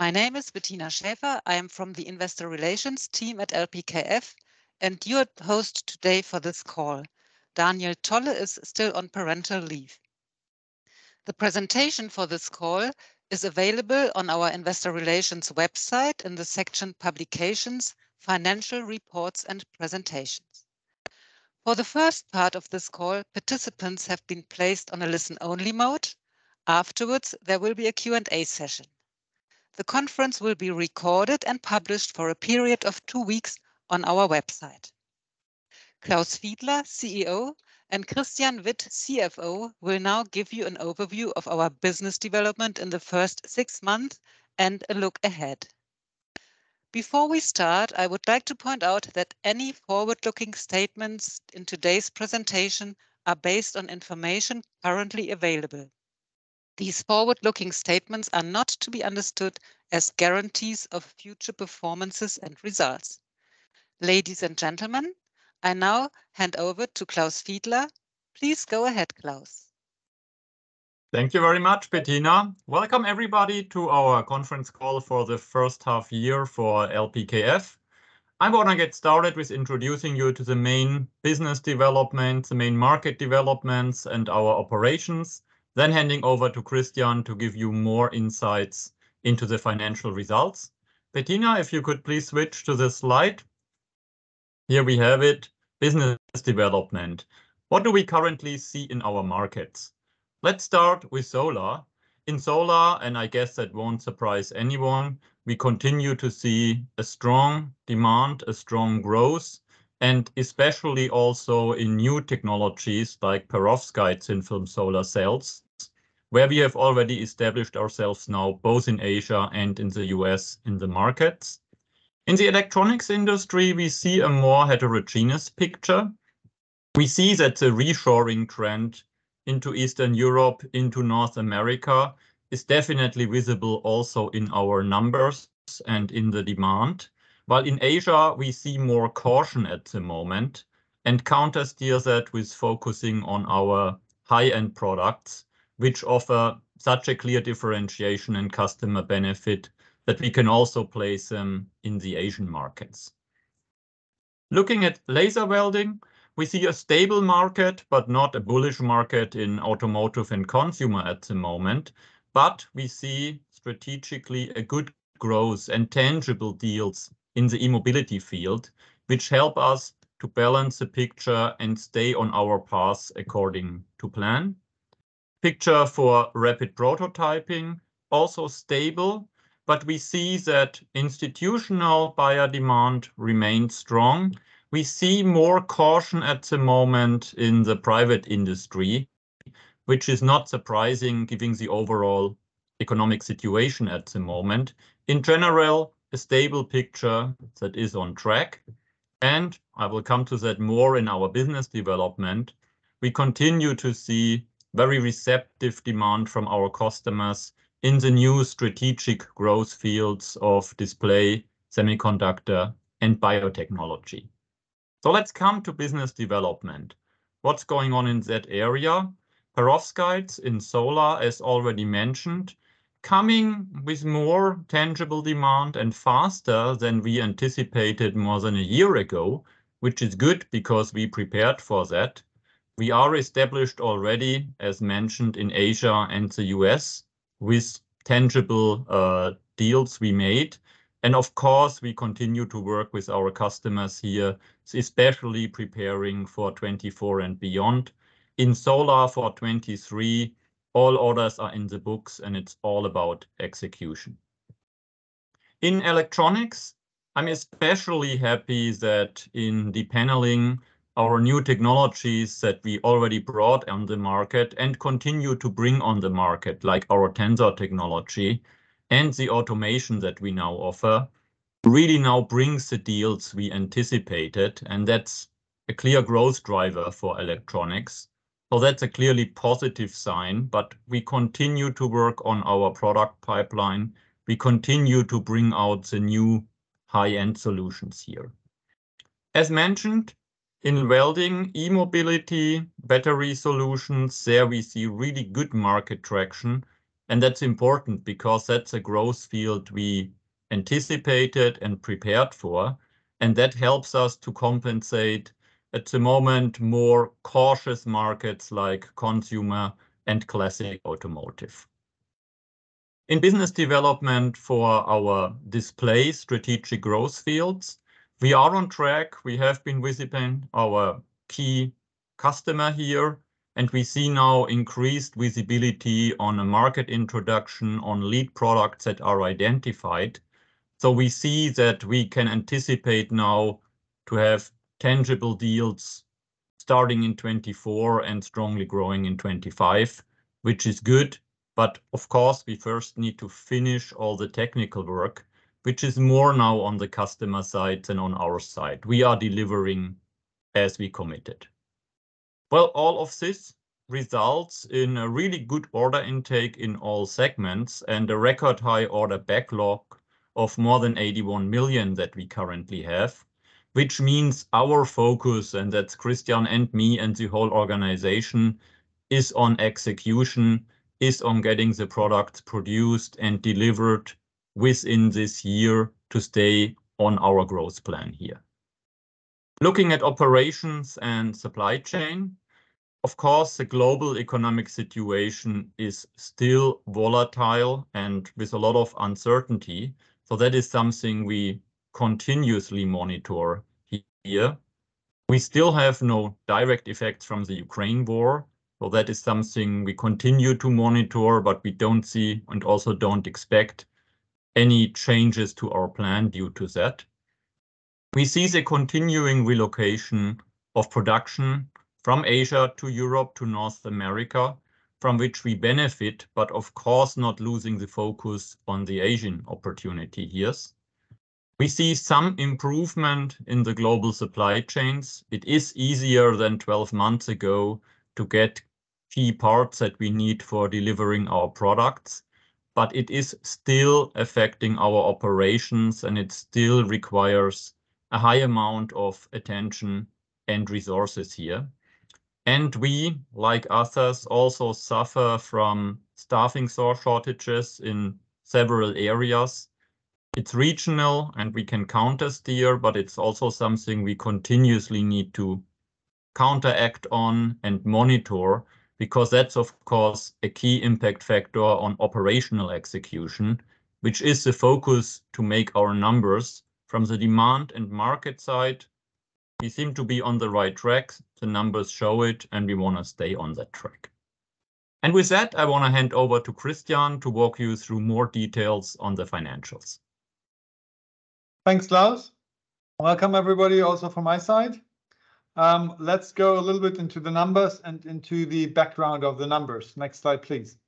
My name is Bettina Schäfer. I am from the Investor Relations team at LPKF, and your host today for this call. Daniel Tolle is still on parental leave. The presentation for this call is available on our Investor Relations website in the section Publications, Financial Reports, and Presentations. For the first part of this call, participants have been placed on a listen-only mode. Afterwards, there will be a Q&A session. The conference will be recorded and published for a period of two weeks on our website. Klaus Fiedler, CEO, and Christian Witt, CFO, will now give you an overview of our business development in the first six months and a look ahead. Before we start, I would like to point out that any forward-looking statements in today's presentation are based on information currently available. These forward-looking statements are not to be understood as guarantees of future performances and results. Ladies and gentlemen, I now hand over to Klaus Fiedler. Please go ahead, Klaus. Thank you very much Bettina. Welcome, everybody to our conference call for the H1 year for LPKF. I'm gonna get started with introducing you to the main business development, the main market developments, and our operations, then handing over to Christian to give you more insights into the financial results. Bettina, if you could please switch to the slide. Here we have it, business development. What do we currently see in our markets? Let's start with solar. In solar, I guess that won't surprise anyone, we continue to see a strong demand, a strong growth, and especially also in new technologies like Perovskites in thin-film solar cells, where we have already established ourselves now, both in Asia and in the U.S. in the markets. In the electronics industry, we see a more heterogeneous picture. We see that the reshoring trend into Eastern Europe, into North America, is definitely visible also in our numbers and in the demand. While in Asia, we see more caution at the moment, and countersteer that with focusing on our high-end products, which offer such a clear differentiation and customer benefit that we can also place them in the Asian markets. Looking at laser welding, we see a stable market, but not a bullish market in automotive and consumer at the moment. We see strategically a good growth and tangible deals in the e-mobility field, which help us to balance the picture and stay on our path according to plan. Picture for rapid prototyping, also stable, but we see that institutional buyer demand remains strong. We see more caution at the moment in the private industry, which is not surprising given the overall economic situation at the moment. In general, a stable picture that is on track, and I will come to that more in our business development. We continue to see very receptive demand from our customers in the new strategic growth fields of display, semiconductor, and biotechnology. Let's come to business development. What's going on in that area? Perovskites in solar, as already mentioned, coming with more tangible demand and faster than we anticipated more than a year ago, which is good, because we prepared for that. We are established already, as mentioned, in Asia and the U.S. with tangible deals we made, and of course, we continue to work with our customers here, especially preparing for 2024 and beyond. In solar for 2023, all orders are in the books, and it's all about execution. In electronics, I'm especially happy that in depaneling, our new technologies that we already brought on the market, and continue to bring on the market, like our Tensor technology and the automation that we now offer, really now brings the deals we anticipated, and that's a clear growth driver for electronics. That's a clearly positive sign, but we continue to work on our product pipeline. We continue to bring out the new high-end solutions here. As mentioned, in welding, e-mobility, battery solutions, there we see really good market traction, and that's important, because that's a growth field we anticipated and prepared for, and that helps us to compensate, at the moment, more cautious markets like consumer and classic automotive. In business development for our display strategic growth fields, we are on track. We have been visiting our key customer here, we see now increased visibility on the market introduction on lead products that are identified. We see that we can anticipate now to have tangible deals starting in 2024 and strongly growing in 2025, which is good. Of course, we first need to finish all the technical work, which is more now on the customer side than on our side. We are delivering as we committed. All of this results in a really good order intake in all segments, a record-high order backlog of more than 81 million that we currently have, which means our focus, and that's Christian, and me, and the whole organization, is on execution, is on getting the product produced and delivered within this year to stay on our growth plan here. Looking at operations and supply chain, of course the global economic situation is still volatile and with a lot of uncertainty, so that is something we continuously monitor here. We still have no direct effects from the Ukraine war, so that is something we continue to monitor, but we don't see, and also don't expect, any changes to our plan due to that. We see the continuing relocation of production from Asia to Europe to North America, from which we benefit, but of course, not losing the focus on the Asian opportunity here. We see some improvement in the global supply chains. It is easier than 12 months ago to get key parts that we need for delivering our products, but it is still affecting our operations, and it still requires a high amount of attention and resources here. We, like others, also suffer from staffing shortages in several areas. It's regional, and we can countersteer, but it's also something we continuously need to counteract on and monitor, because that's, of course, a key impact factor on operational execution, which is the focus to make our numbers. From the demand and market side, we seem to be on the right track. The numbers show it, and we want to stay on that track. With that, I want to hand over to Christian to walk you through more details on the financials. Thanks Klaus. Welcome everybody, also from my side. Let's go a little bit into the numbers and into the background of the numbers. Next slide please.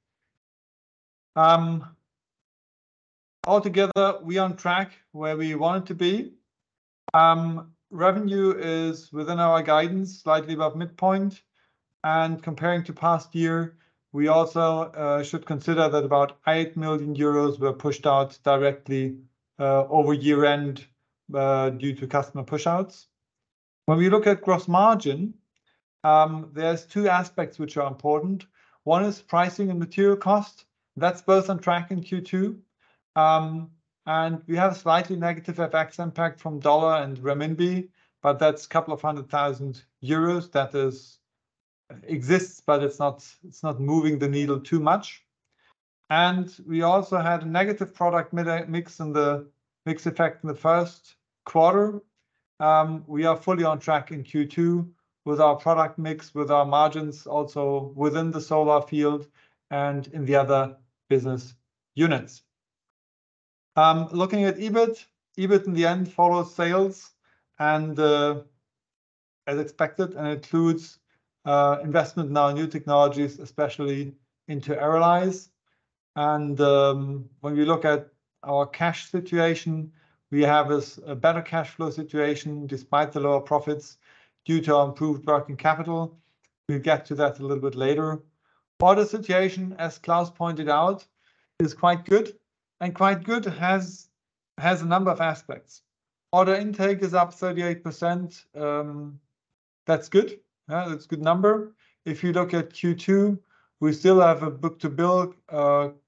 Altogether, we're on track where we wanted to be. Revenue is within our guidance, slightly above midpoint, comparing to past year, we also should consider that about 8 million euros were pushed out directly over year-end due to customer push-outs. When we look at gross margin, there's two aspects which are important. One is pricing and material cost. That's both on track in Q2. We have a slightly negative FX impact from dollar and renminbi, but that's a couple of hundred thousand euros. That exists, but it's not, it's not moving the needle too much. We also had a negative product mix effect in the Q1. We are fully on track in Q2 with our product mix, with our margins also within the solar field and in the other business units. Looking at EBIT, in the end, follows sales as expected, and includes investment in our new technologies, especially into ARRALYZE. When we look at our cash situation, we have a better cash flow situation, despite the lower profits, due to our improved working capital. We'll get to that a little bit later. Order situation, as Klaus pointed out, is quite good, it has a number of aspects. Order intake is up 38%. That's good. That's a good number. If you look at Q2, we still have a book-to-bill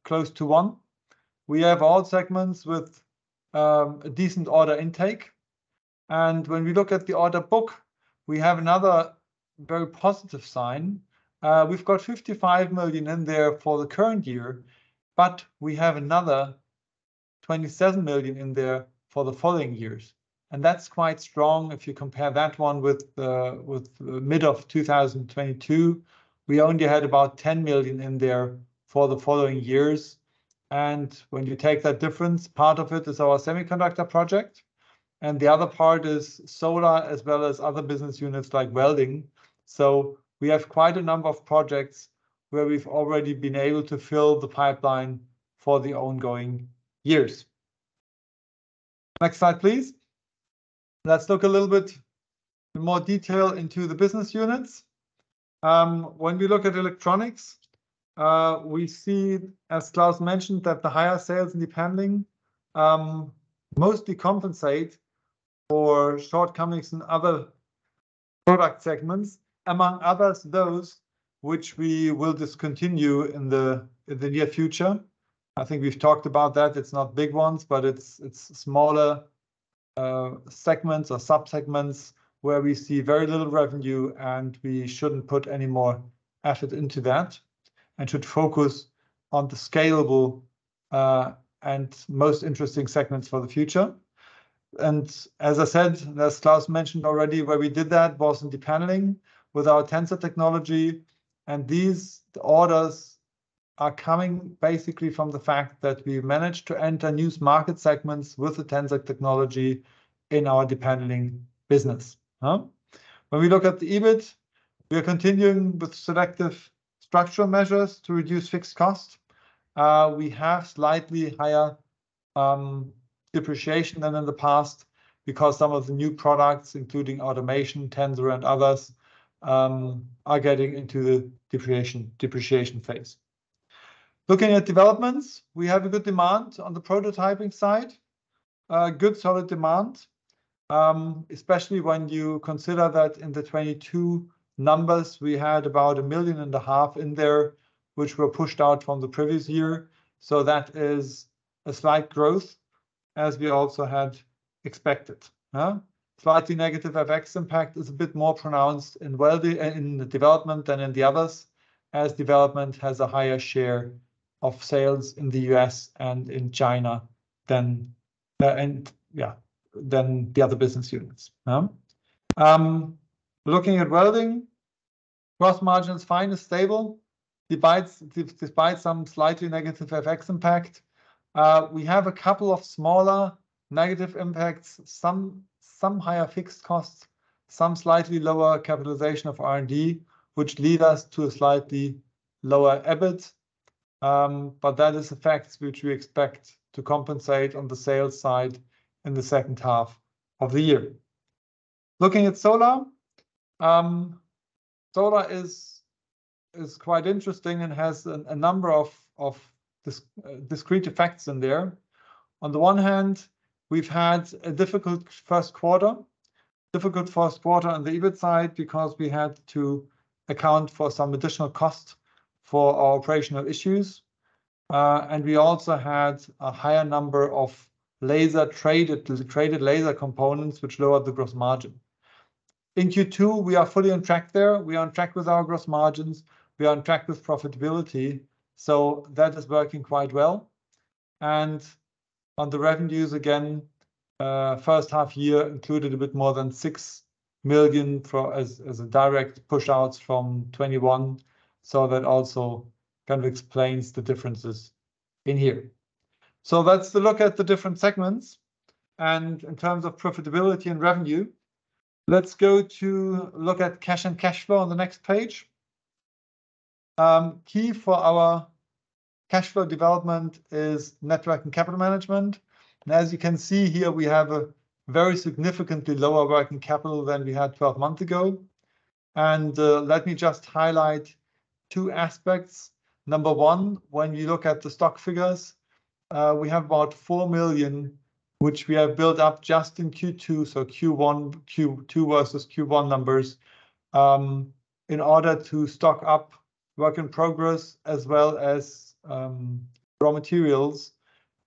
close to one. We have all segments with a decent order intake. When we look at the order book, we have another very positive sign. We've got 55 million in there for the current year. We have another 27 million in there for the following years. That's quite strong. If you compare that one with the mid of 2022, we only had about 10 million in there for the following years. When you take that difference, part of it is our semiconductor project. The other part is solar, as well as other business units, like welding. We have quite a number of projects where we've already been able to fill the pipeline for the ongoing years. Next slide please. Let's look a little bit more detail into the business units. When we look at electronics, we see, as Klaus mentioned, that the higher sales in depaneling mostly compensate for shortcomings in other product segments, among others, those which we will discontinue in the near future. I think we've talked about that. It's not big ones, but it's smaller segments or sub-segments where we see very little revenue, and we shouldn't put any more effort into that, and should focus on the scalable and most interesting segments for the future. As I said, as Klaus mentioned already, where we did that was in depaneling with our Tensor Technology, and these orders are coming basically from the fact that we managed to enter new market segments with the Tensor Technology in our depaneling business, huh? When we look at the EBIT, we are continuing with selective structural measures to reduce fixed costs. We have slightly higher depreciation than in the past because some of the new products, including automation, Tensor and others, are getting into the depreciation phase. Looking at developments, we have a good demand on the prototyping side. Good solid demand, especially when you consider that in the 2022 numbers, we had about 1.5 million in there, which were pushed out from the previous year. That is a slight growth, as we also had expected, huh. Slightly negative FX impact is a bit more pronounced in the development than in the others, as development has a higher share of sales in the U.S. and in China than the other business units. Looking at welding, gross margins fine and stable, despite some slightly negative FX impact. We have a couple of smaller negative impacts, some higher fixed costs, some slightly lower capitalization of R&D, which lead us to a slightly lower EBIT. That is the facts which we expect to compensate on the sales side in the H2 of the year. Looking at solar is quite interesting and has a number of discrete effects in there. On the one hand, we've had a difficult Q1. Difficult Q1 on the EBIT side, because we had to account for some additional costs for our operational issues. We also had a higher number of traded laser components, which lowered the gross margin. In Q2, we are fully on track there. We are on track with our gross margins. We are on track with profitability, that is working quite well. On the revenues, again, H1 year included a bit more than 6 million as a direct push-out from 2021. That also kind of explains the differences in here. That's the look at the different segments and in terms of profitability and revenue. Let's go to look at cash and cash flow on the next page. Key for our cash flow development is net working capital management. As you can see here, we have a very significantly lower working capital than we had 12 months ago. Let me just highlight two aspects. Number one, when you look at the stock figures, we have about 4 million, which we have built up just in Q2, so Q1, Q2 versus Q1 numbers, in order to stock up work in progress, as well as raw materials,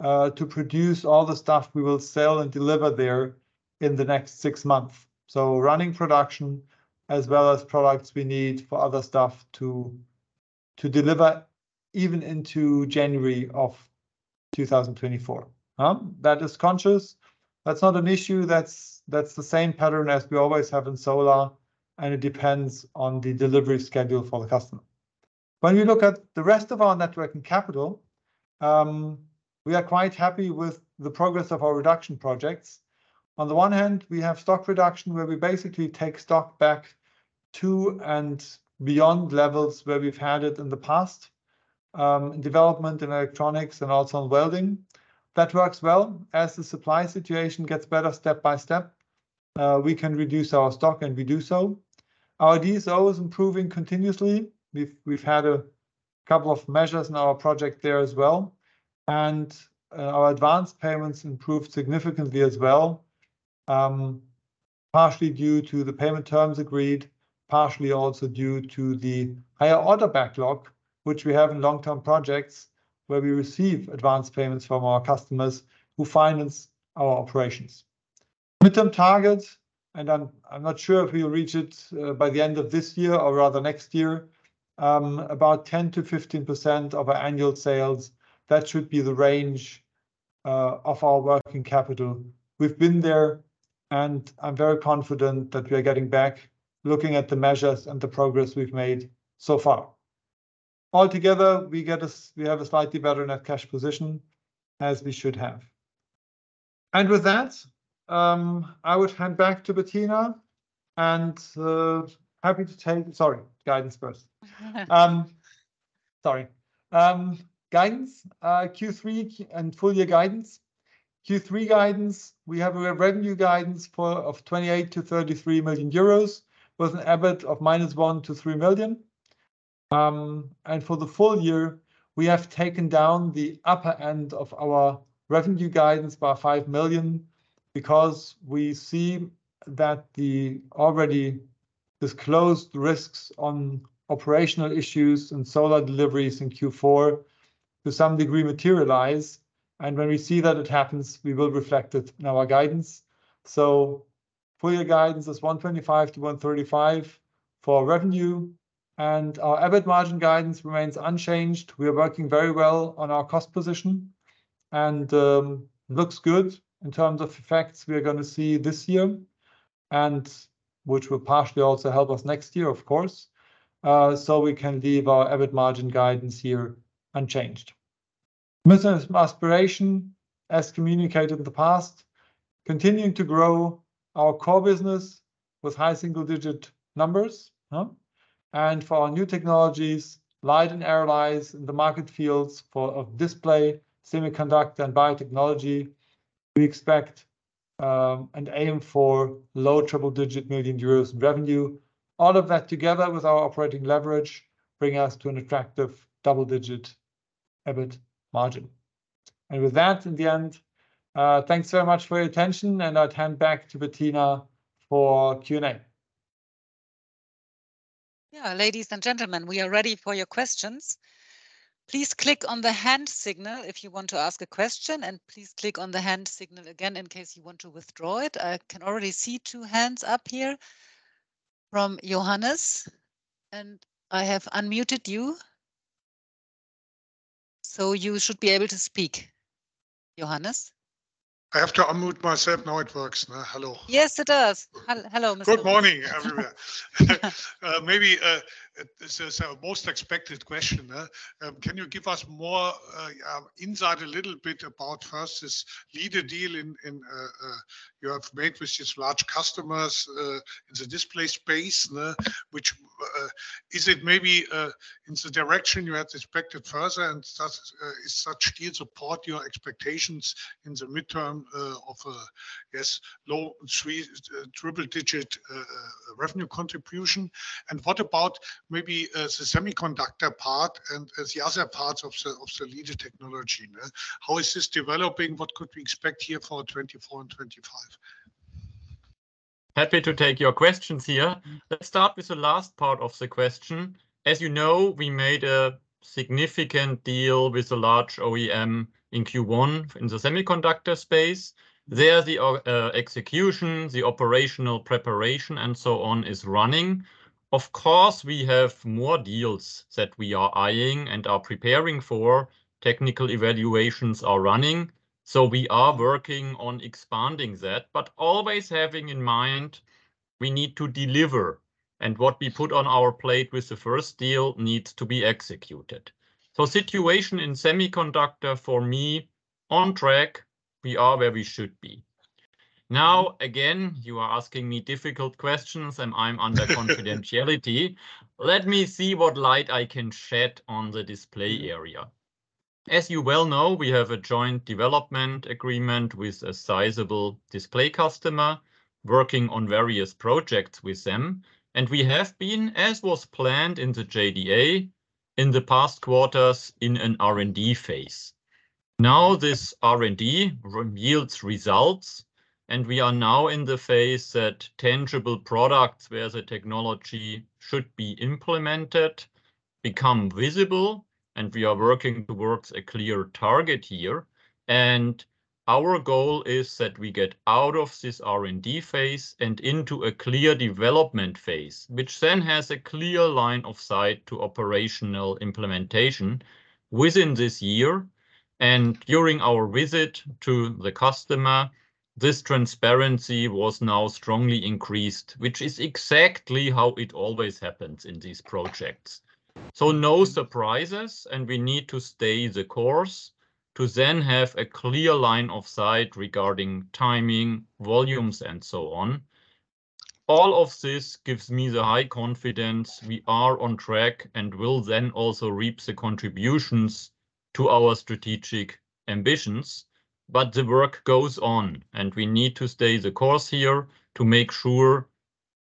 to produce all the stuff we will sell and deliver there in the next six months. Running production as well as products we need for other stuff to deliver even into January 2024. That is conscious. That's not an issue. That's the same pattern as we always have in solar, it depends on the delivery schedule for the customer. When you look at the rest of our net working capital, we are quite happy with the progress of our reduction projects. On the one hand, we have stock reduction, where we basically take stock back to and beyond levels where we've had it in the past, in development and electronics, and also on welding. That works well. As the supply situation gets better step by step, we can reduce our stock, and we do so. Our DSO is improving continuously. We've had a couple of measures in our project there as well, and our advanced payments improved significantly as well, partially due to the payment terms agreed, partially also due to the higher order backlog, which we have in long-term projects, where we receive advanced payments from our customers who finance our operations. Mid-term targets, I'm not sure if we will reach it by the end of this year or rather next year, about 10% - 15% of our annual sales. That should be the range of our working capital. We've been there, and I'm very confident that we are getting back, looking at the measures and the progress we've made so far. Altogether, we have a slightly better net cash position, as we should have. With that, I would hand back to Bettina, happy to take- sorry, guidance first. Sorry. Guidance, Q3 and full year guidance. Q3 guidance, we have a revenue guidance of 28 million-33 million euros, with an EBIT of -1 million-3 million. And for the full year, we have taken down the upper end of our revenue guidance by 5 million, because we see that the already disclosed risks on operational issues and solar deliveries in Q4 to some degree materialize. When we see that it happens, we will reflect it in our guidance. Full year guidance is 125 million-135 million for revenue, and our EBIT margin guidance remains unchanged. We are working very well on our cost position, and looks good in terms of effects we are going to see this year, and which will partially also help us next year, of course. We can leave our EBIT margin guidance here unchanged. Business aspiration, as communicated in the past, continuing to grow our core business with high single-digit numbers, huh, For our new technologies, LIDE and ARRALYZE in the market fields for, of display, semiconductor, and biotechnology we expect, and aim for low triple-digit million euros in revenue. All of that together with our operating leverage, bring us to an attractive double-digit EBIT margin. With that, in the end, thanks very much for your attention, and I'll hand back to Bettina for Q&A. Ladies and gentlemen we are ready for your questions. Please click on the hand signal if you want to ask a question, and please click on the hand signal again in case you want to withdraw it. I can already see two hands up here from Johannes, and I have unmuted you, so you should be able to speak. Johannes? I have to unmute myself, now it works now. Hello. Yes, it does. Hello, Mr. Good morning, everyone. Maybe this is our most expected question. Can you give us more insight a little bit about first, this LIDE deal you have made with these large customers in the display space, which is it maybe in the direction you had expected first, and does such deals support your expectations in the midterm of, yes, low three, triple-digit revenue contribution? What about maybe the semiconductor part and the other parts of the LIDE technology? How is this developing? What could we expect here for 2024 and 2025? Happy to take your questions here. Let's start with the last part of the question. As you know, we made a significant deal with a large OEM in Q1 in the semiconductor space. There, the execution, the operational preparation, and so on is running. Of course, we have more deals that we are eyeing and are preparing for. Technical evaluations are running, so we are working on expanding that, but always having in mind we need to deliver, and what we put on our plate with the first deal needs to be executed. Situation in semiconductor for me, on track. We are where we should be. Again, you are asking me difficult questions, and I'm under confidentiality. Let me see what light I can shed on the display area. As you well know, we have a joint development agreement with a sizable display customer, working on various projects with them, and we have been, as was planned in the JDA, in the past quarters in an R&D phase. This R&D yields results, and we are now in the phase that tangible products, where the technology should be implemented, become visible, and we are working towards a clear target here. Our goal is that we get out of this R&D phase and into a clear development phase, which then has a clear line of sight to operational implementation within this year. During our visit to the customer, this transparency was now strongly increased, which is exactly how it always happens in these projects. No surprises, and we need to stay the course to then have a clear line of sight regarding timing, volumes, and so on. All of this gives me the high confidence we are on track and will then also reap the contributions to our strategic ambitions. The work goes on, and we need to stay the course here to make sure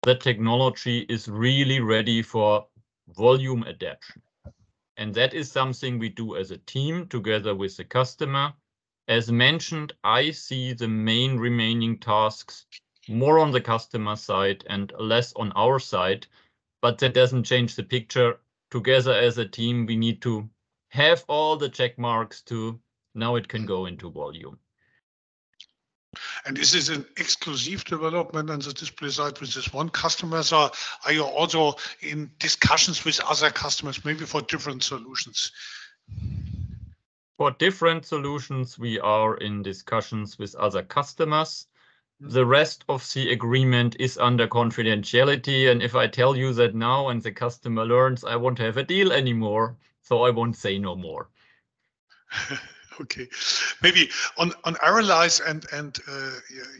the technology is really ready for volume adaptation, and that is something we do as a team together with the customer. As mentioned, I see the main remaining tasks more on the customer side and less on our side, but that doesn't change the picture. Together as a team, we need to have all the check marks to now it can go into volume. This is an exclusive development on the display side with this one customer, or are you also in discussions with other customers, maybe for different solutions? For different solutions, we are in discussions with other customers. The rest of the agreement is under confidentiality, and if I tell you that now and the customer learns, I won't have a deal anymore, so I won't say no more. Okay. Maybe on ARRALYZE and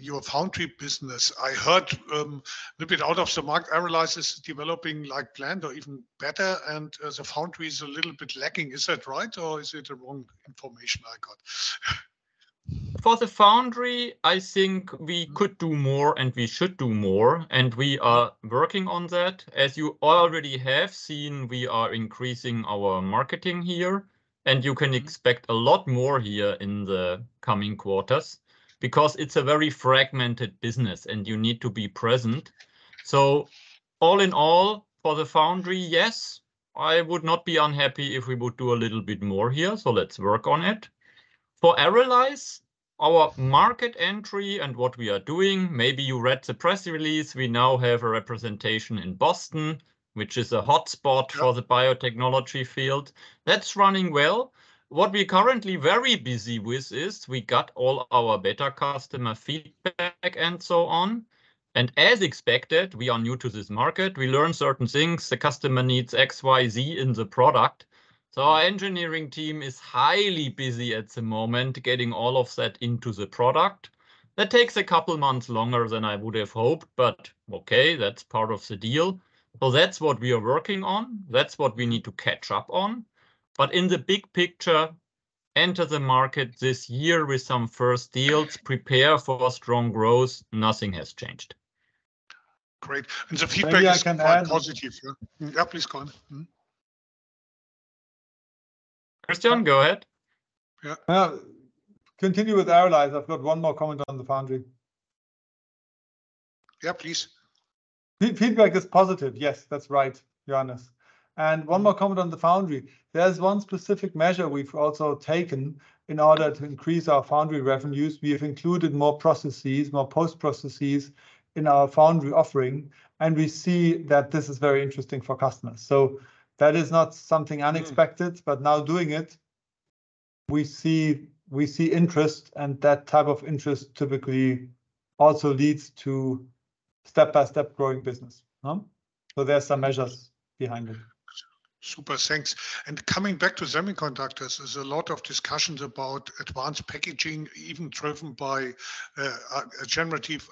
your foundry business, I heard a little bit out of the market, ARRALYZE is developing like planned or even better, and the foundry is a little bit lacking. Is that right, or is it the wrong information I got? For the foundry, I think we could do more, and we should do more, and we are working on that. As you already have seen, we are increasing our marketing here, and you can expect a lot more here in the coming quarters, because it's a very fragmented business, and you need to be present. All in all, for the foundry, yes, I would not be unhappy if we would do a little bit more here, so let's work on it. For ARRALYZE, our market entry and what we are doing, maybe you read the press release, we now have a representation in Boston, which is a hotspot Yeah For the biotechnology field. That's running well. What we're currently very busy with is we got all our beta customer feedback and so on, and as expected, we are new to this market. We learn certain things. The customer needs X, Y, Z in the product. Our engineering team is highly busy at the moment getting all of that into the product. That takes a couple months longer than I would have hoped, but okay, that's part of the deal. That's what we are working on. That's what we need to catch up on. In the big picture, enter the market this year with some first deals, prepare for strong growth, nothing has changed. Great, the feedback. Maybe I can add- Is quite positive, yeah. Yeah, please go on. Mm-hmm. Christian, go ahead. Yeah. Well, continue with our lives. I've got one more comment on the foundry. Yeah, please. Feedback is positive. Yes, that's right, Johannes. One more comment on the foundry. There's one specific measure we've also taken in order to increase our foundry revenues. We have included more processes, more post-processes in our foundry offering, and we see that this is very interesting for customers. That is not something unexpected. Mm Now doing it, we see interest, and that type of interest typically also leads to step-by-step growing business, huh? There are some measures behind it. Super, thanks. Coming back to semiconductors, there's a lot of discussions about advanced packaging, even driven by generative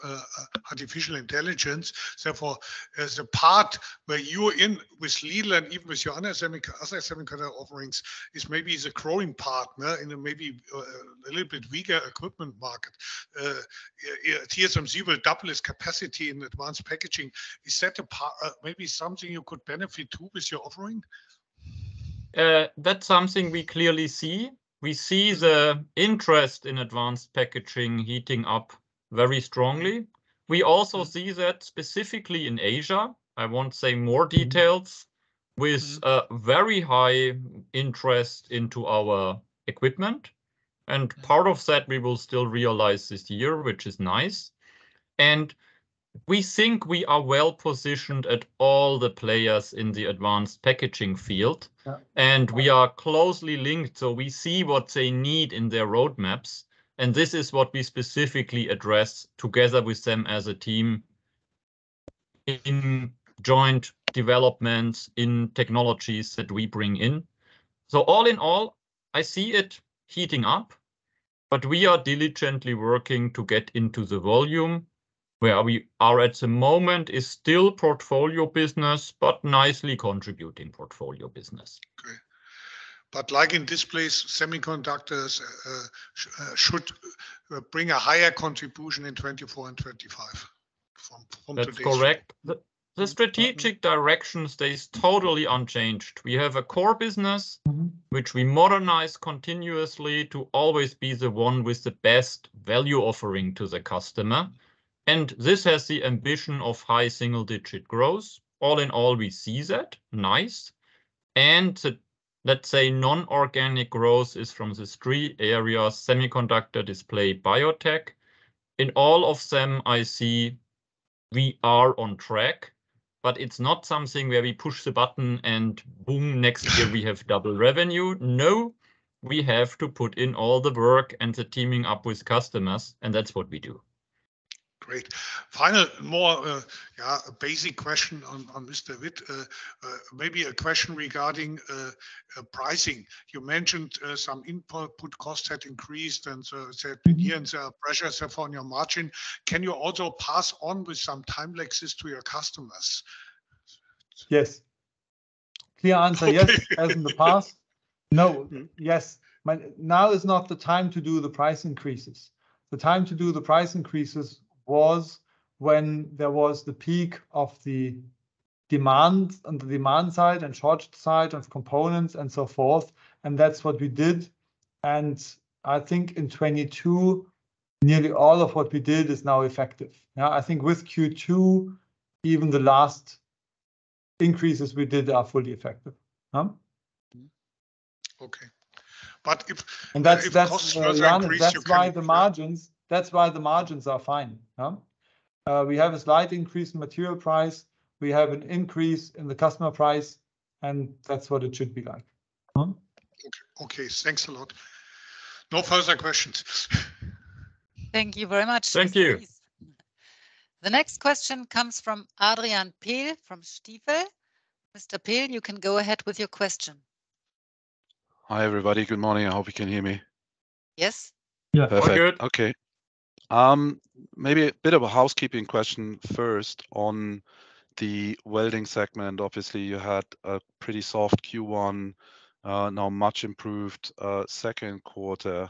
artificial intelligence. As the part where you are in with LIDE and even with your other semiconductor offerings, is maybe the growing part, huh, in a maybe, a little bit weaker equipment market. TSMC will double its capacity in advanced packaging. Is that maybe something you could benefit, too, with your offering? That's something we clearly see. We see the interest in advanced packaging heating up very strongly. We also see that specifically in Asia, I won't say more details. Mm-hmm With very high interest into our equipment. Part of that we will still realize this year, which is nice. We think we are well-positioned at all the players in the advanced packaging field. Yeah. We are closely linked, so we see what they need in their roadmaps, and this is what we specifically address together with them as a team in joint developments, in technologies that we bring in. All in all, I see it heating up, but we are diligently working to get into the volume. Where we are at the moment is still portfolio business, but nicely contributing portfolio business. Great. like in displays, semiconductors, should bring a higher contribution in 2024 and 2025 from today's. That's correct. The strategic direction stays totally unchanged. We have a core business. Mm-hmm Which we modernize continuously to always be the one with the best value offering to the customer. This has the ambition of high single-digit growth. All in all, we see that. Nice. And let's say, non-organic growth is from the three areas, semiconductor, display, biotech. In all of them, I see we are on track. It's not something where we push the button and, boom, we have double revenue. No, we have to put in all the work and the teaming up with customers. That's what we do. Great. Final, more, yeah, basic question on this, EBIT. Maybe a question regarding pricing. You mentioned some input costs had increased. Mm-hmm Pressure is therefore on your margin. Can you also pass on with some time lapses to your customers? Yes. Clear answer, yes. As in the past, no. Yes, now is not the time to do the price increases. The time to do the price increases was when there was the peak of the demand, on the demand side and short side of components, and so forth, and that's what we did. I think in 2022, nearly all of what we did is now effective. I think with Q2, even the last increases we did are fully effective, huh? Mm-hmm. Okay. That's. Johannes, that's why the margins. Yeah That's why the margins are fine, huh? We have a slight increase in material price. We have an increase in the customer price, and that's what it should be like, huh? Okay, okay, thanks a lot. No further questions. Thank you very much. Thank you. The next question comes from Adrian Pehl from Stifel. Mr. Pehl, you can go ahead with your question. Hi, everybody. Good morning, I hope you can hear me. Yes. Yeah. All good. Perfect. Maybe a bit of a housekeeping question first on the welding segment. Obviously, you had a pretty soft Q1, now much improved Q2.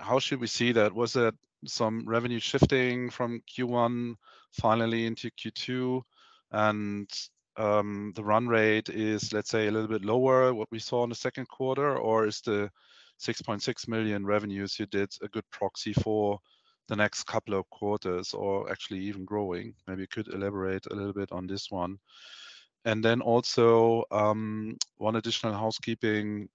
How should we see that? Was that some revenue shifting from Q1 finally into Q2, the run rate is, let's say, a little bit lower, what we saw in the Q2? Or is the 6.6 million revenues you did a good proxy for the next couple of quarters or actually even growing? Maybe you could elaborate a little bit on this one. Also, one additional housekeeping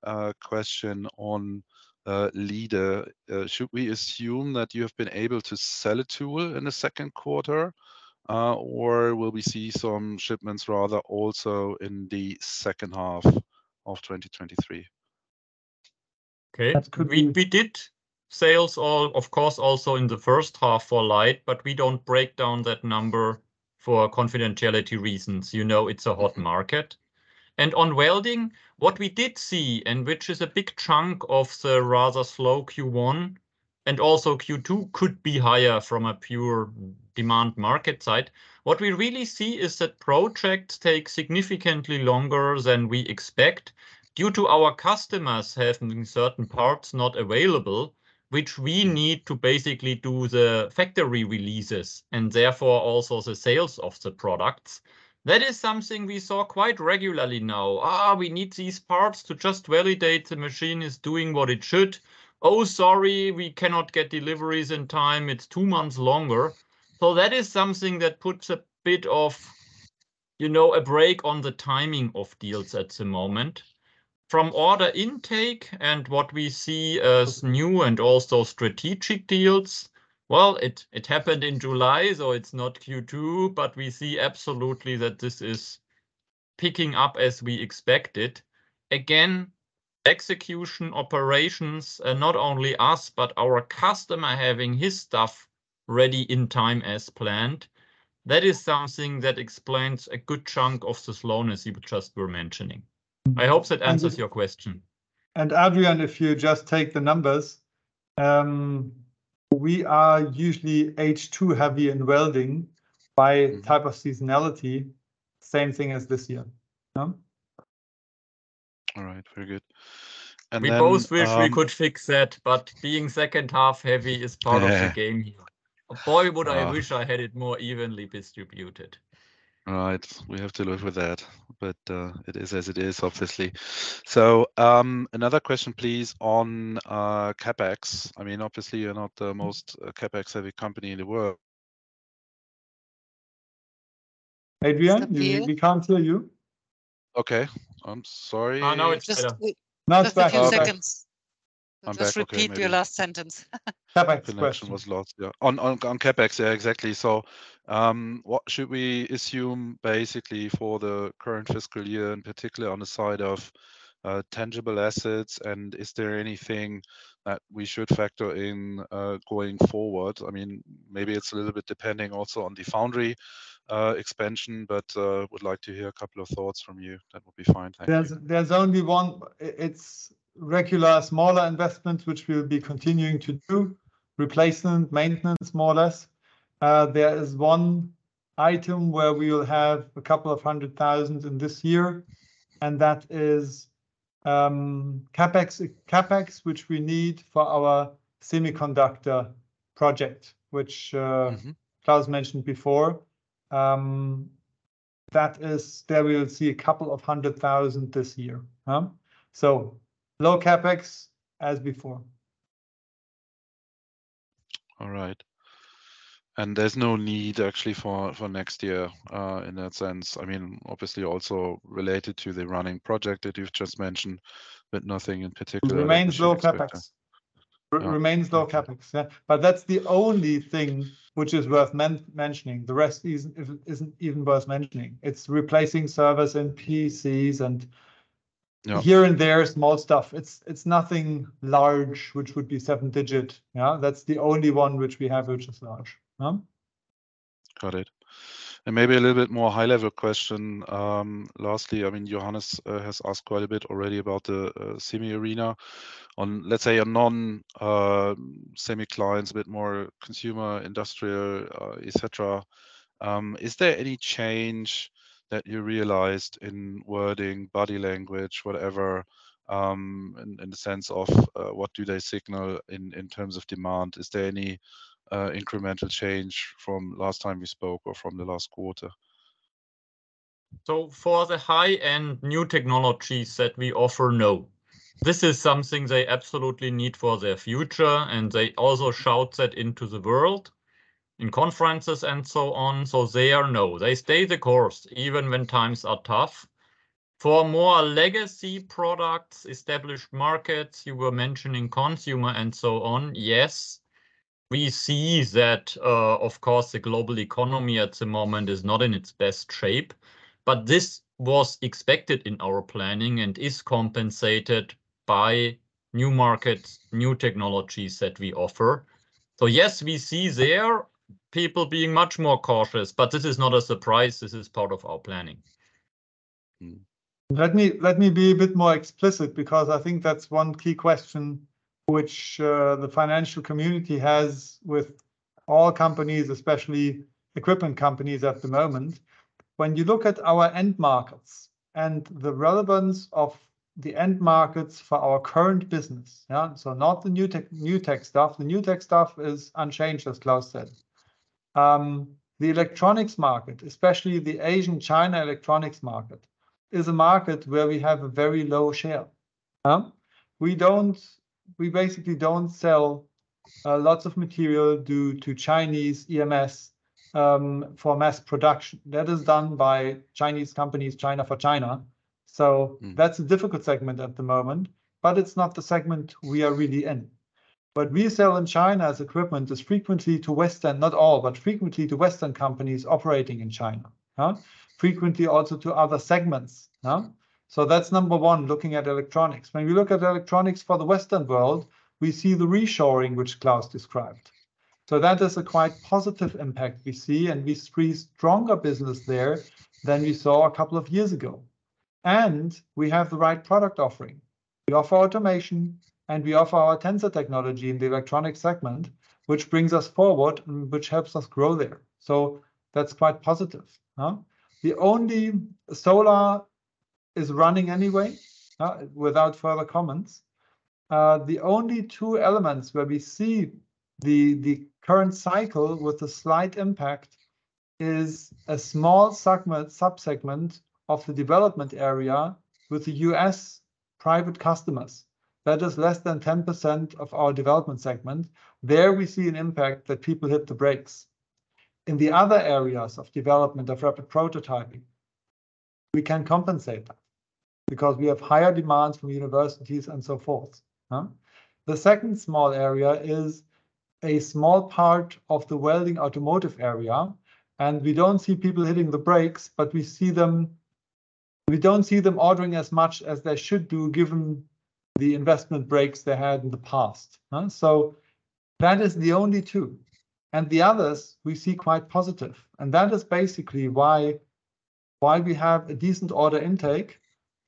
question on LIDE. Should we assume that you have been able to sell a tool in the Q2, or will we see some shipments rather also in the H2 of 2023? Okay. That could be. We did sales all, of course, also in the H1 for LIDE, but we don't break down that number for confidentiality reasons. You know, it's a hot market. On welding, what we did see, and which is a big chunk of the rather slow Q1, and also Q2 could be higher from a pure demand market side. What we really see is that projects take significantly longer than we expect due to our customers having certain parts not available, which we need to basically do the factory releases, and therefore also the sales of the products. That is something we saw quite regularly now. "We need these parts to just validate the machine is doing what it should. Sorry, we cannot get deliveries in time. It's two months longer. That is something that puts a bit of, you know, a brake on the timing of deals at the moment. From order intake and what we see as new and also strategic deals, well, it happened in July, so it's not Q2, but we see absolutely that this is picking up as we expected. Again, execution operations, not only us, but our customer having his stuff ready in time as planned, that is something that explains a good chunk of the slowness you just were mentioning. I hope that answers your question. Adrian, if you just take the numbers, we are usually H2-heavy in welding by type of seasonality, same thing as this year. Yeah? All right. Very good. Then, We both wish we could fix that, but being H2 heavy is part of the game here. Yeah. Boy, would I wish-I had it more evenly distributed. We have to live with that, but it is as it is, obviously. Another question, please, on CapEx. I mean, obviously, you're not the most CapEx-heavy company in the world. Adrian? Adrian? we can't hear you. Okay. I'm sorry. Oh, now it's better. Now it's back. few seconds. I'm back. Okay, maybe. Just repeat your last sentence. CapEx question. Connection was lost. Yeah. On CapEx, yeah, exactly. What should we assume basically for the current fiscal year, particularly on the side of tangible assets? Is there anything that we should factor in going forward? I mean, maybe it's a little bit depending also on the foundry expansion, but would like to hear a couple of thoughts from you. That would be fine. Thank you. There's only one, it's regular, smaller investments, which we'll be continuing to do, replacement, maintenance, more or less. There is one item where we will have a couple of hundred thousand in this year, and that is CapEx which we need for our semiconductor project, which. Mm-hmm Klaus mentioned before. There we'll see couple of hundred thousand this year. Huh? Low CapEx, as before. All right. There's no need actually for next year, in that sense? I mean, obviously, also related to the running project that you've just mentioned, but nothing in particular? Remains low CapEx. Yeah. Remains low CapEx. Yeah. That's the only thing which is worth mentioning. The rest isn't even worth mentioning. It's replacing servers and PCs. Yeah Here and there, small stuff. It's nothing large, which would be seven digit. Yeah, that's the only one which we have, which is large, huh? Got it. Maybe a little bit more high-level question? Lastly, I mean, Johannes has asked quite a bit already about the semi arena. On, let's say, a non, semi clients, a bit more consumer, industrial, et cetera, is there any change that you realized in wording, body language, whatever, in the sense of, what do they signal in terms of demand? Is there any incremental change from last time we spoke or from the last quarter? For the high-end new technologies that we offer, no. This is something they absolutely need for their future. They also shout that into the world, in conferences and so on. They are no. They stay the course, even when times are tough. For more legacy products, established markets, you were mentioning consumer and so on, yes. We see that, of course the global economy at the moment is not in its best shape. This was expected in our planning and is compensated by new markets, new technologies that we offer. Yes, we see there people being much more cautious. This is not a surprise. This is part of our planning. Mm. Let me be a bit more explicit because I think that's one key question which the financial community has with all companies, especially equipment companies at the moment. You look at our end markets and the relevance of the end markets for our current business, yeah, not the new tech stuff. The new tech stuff is unchanged, as Klaus said. The electronics market, especially the Asian-China electronics market, is a market where we have a very low share. Huh? We basically don't sell lots of material due to Chinese EMS for mass production. Is done by Chinese companies, China for China. Mm. That's a difficult segment at the moment, but it's not the segment we are really in. What we sell in China as equipment is frequently to Western, not all, but frequently to Western companies operating in China. Huh? Frequently also to other segments, huh? That's number one, looking at electronics. When we look at electronics for the Western world, we see the reshoring, which Klaus described. That is a quite positive impact we see, and we see stronger business there than we saw a couple of years ago. We have the right product offering. We offer automation, and we offer our Tensor Technology in the electronic segment, which brings us forward and which helps us grow there. That's quite positive, huh? The only solar is running anyway, without further comments. The only two elements where we see the current cycle with a slight impact is a small subsegment of the development area with the U.S. private customers. That is less than 10% of our development segment. There we see an impact that people hit the brakes. In the other areas of development, of rapid prototyping, we can compensate that, because we have higher demands from universities and so forth, huh? The second small area is a small part of the welding automotive area. We don't see people hitting the brakes, but we don't see them ordering as much as they should do, given the investment brakes they had in the past, huh? That is the only two, and the others we see quite positive, and that is basically why we have a decent order intake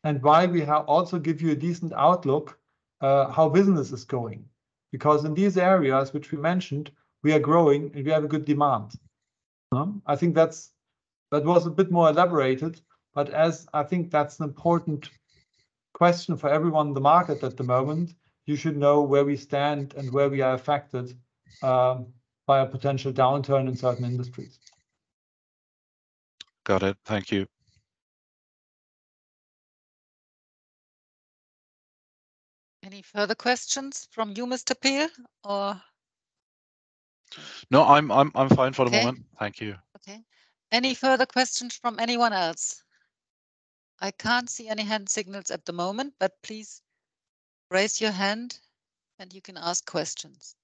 and why we also give you a decent outlook, how business is going. Because in these areas which we mentioned, we are growing, and we have a good demand, huh? I think that's, that was a bit more elaborated, but as I think that's an important question for everyone in the market at the moment, you should know where we stand and where we are affected by a potential downturn in certain industries. Got it. Thank you. Any further questions from you Mr. Pehl, or? No, I'm fine for the moment. Okay. Thank you. Okay. Any further questions from anyone else? I can't see any hand signals at the moment, but please raise your hand, and you can ask questions.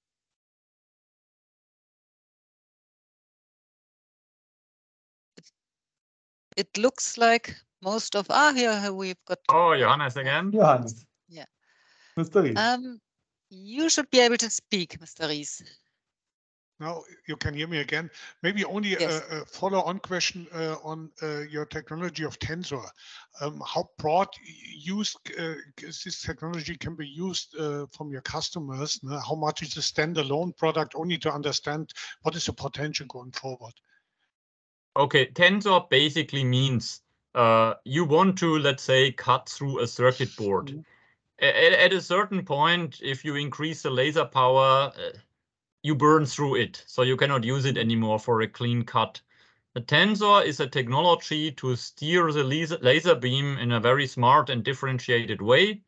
It looks like most of, here we've got. Oh, Johannes again. Johannes. Yeah. Mr. Ries. You should be able to speak, Mr. Ries. Now you can hear me again? Yes. Maybe only a follow-on question on your technology of Tensor. How broad use this technology can be used from your customers? How much is a standalone product? Only to understand what is the potential going forward. Okay. Tensor basically means, you want to, let's say, cut through a circuit board. At a certain point, if you increase the laser power, you burn through it, so you cannot use it anymore for a clean cut. A Tensor is a technology to steer the laser beam in a very smart and differentiated way,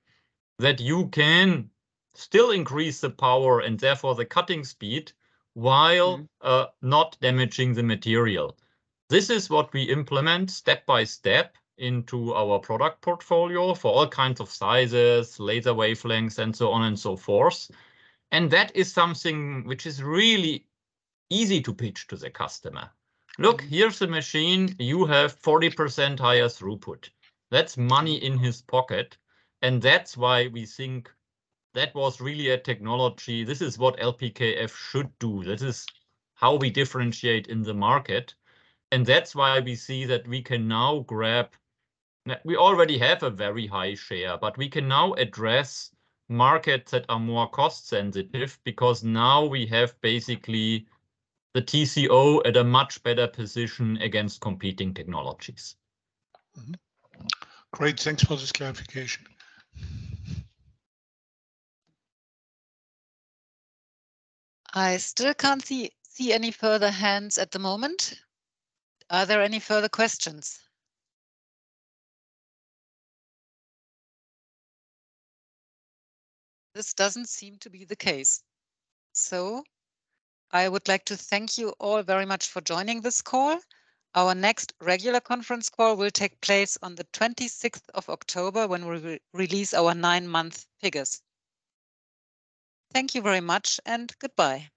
that you can still increase the power and therefore the cutting speed. Mm-hmm While not damaging the material. This is what we implement step by step into our product portfolio for all kinds of sizes, laser wavelengths, and so on and so forth. That is something which is really easy to pitch to the customer. Mm-hmm. Look, here's a machine. You have 40% higher throughput. That's money in his pocket, and that's why we think that was really a technology. This is what LPKF should do. This is how we differentiate in the market, and that's why we see that we can now grab. We already have a very high share, but we can now address markets that are more cost sensitive because now we have basically the TCO at a much better position against competing technologies. Great. Thanks for this clarification. I still can't see any further hands at the moment. Are there any further questions? This doesn't seem to be the case, I would like to thank you all very much for joining this call. Our next regular conference call will take place on the 26th of October, when we release our nine-month figures. Thank you very much, goodbye.